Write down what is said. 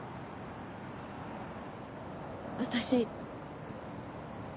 私。